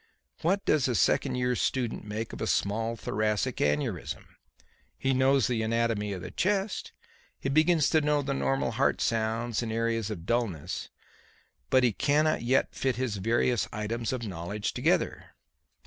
What does a second year's student make of a small thoracic aneurysm? He knows the anatomy of the chest; he begins to know the normal heart sounds and areas of dullness; but he cannot yet fit his various items of knowledge together.